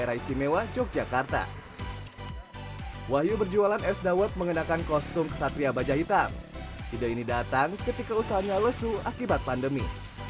hidup ini datang ketika usahanya lesu akibat pandemi